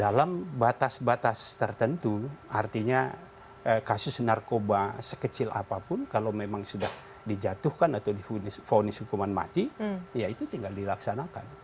dalam batas batas tertentu artinya kasus narkoba sekecil apapun kalau memang sudah dijatuhkan atau difonis hukuman mati ya itu tinggal dilaksanakan